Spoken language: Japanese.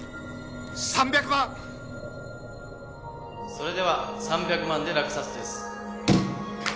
それでは３００万で落札です。